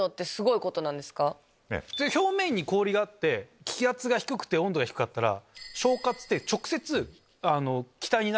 表面に氷があって気圧が低くて温度が低かったら。